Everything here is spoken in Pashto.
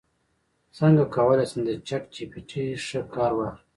څنګه کولی شم د چیټ جی پي ټي ښه کار واخلم